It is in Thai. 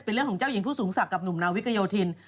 เป็นเรื่องของเจ้าหญิงผู้สูงศักดิ์กับหนุ่มนาวิกโยธิน